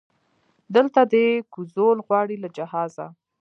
دلته دی کوزول غواړي له جهازه